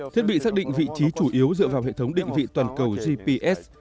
thiết bị xác định vị trí chủ yếu dựa vào hệ thống định vị toàn cầu gps